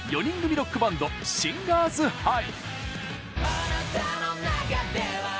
ロックバンド「シンガーズハイ」。